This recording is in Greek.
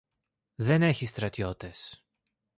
Δεν έχει στρατιώτες.